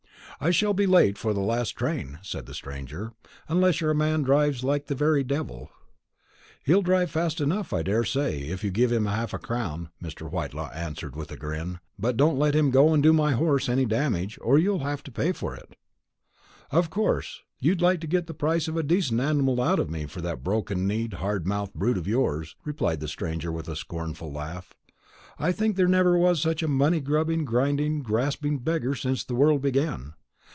"I shall be late for the last train," said the stranger, "unless your man drives like the very devil." "He'll drive fast enough, I daresay, if you give him half a crown," Mr. Whitelaw answered with a grin; "but don't let him go and do my horse any damage, or you'll have to pay for it." "Of course. You'd like to get the price of a decent animal out of me for that broken kneed hard mouthed brute of yours," replied the stranger with a scornful laugh. "I think there never was such a money grubbing, grinding, grasping beggar since the world began.